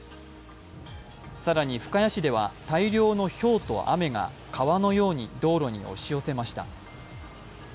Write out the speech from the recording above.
更に、深谷市では大量のひょうと雨が川のように道路に押し寄せました。